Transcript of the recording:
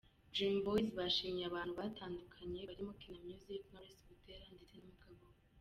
Dream Boys bashimiye abantu batandukanye barimo Kina Music, Knowless Butera ndetse n’umugabo we.